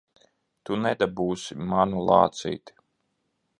Tu nedabūsi manu lācīti!